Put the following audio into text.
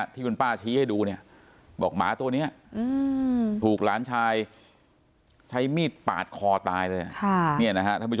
ที่คุณป้าชี้ให้ดูเนี่ยบอกหมาตัวนี้ถูกหลานชายใช้มีดปาดคอตายเลย